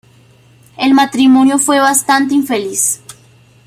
El matrimonio fue bastante infeliz.